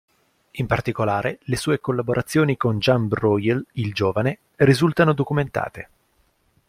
In particolare, le sue collaborazioni con Jan Bruegel il Giovane risultano documentate.